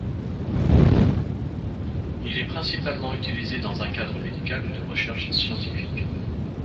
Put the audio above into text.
Il est principalement utilisé dans un cadre médical ou de recherche scientifique.